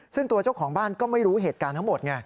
ซึ่งตัวเจ้าของบ้านก็ไม่รู้เหตุการณ์ทั้งหมดไง